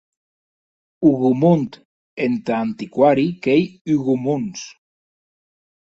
Hougomont entar antiquari qu’ei Hugomons.